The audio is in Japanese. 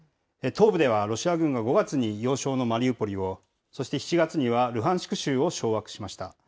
東部では、ロシア軍が５月に要衝のマリウポリを、そして７月にはルハンシク州を掌握しました。